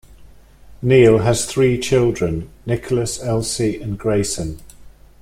Neil has three children, Nicholas, Elsie and Graysen.